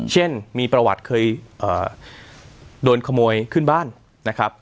เช่นมีประวัติเคยโดนขโมยขึ้นบ้านนะครับ